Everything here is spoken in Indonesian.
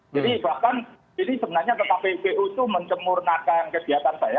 jadi bahkan ini sebenarnya tetap ppu itu mencemurnakan kegiatan saya